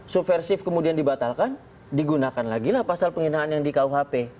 subversif kemudian dibatalkan digunakan lagilah pasal penghinaan yang di kuhp